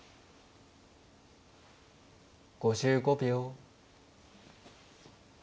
５５秒。